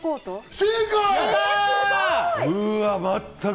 正解！